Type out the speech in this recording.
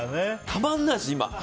たまんないです、今。